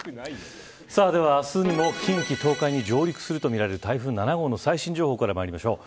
明日にも近畿、東海に上陸するとみられる台風７号の最新情報からまいりましょう。